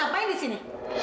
kamu ngapain disini